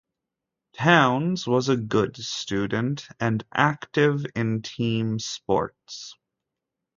Townes was a good student and active in team sports.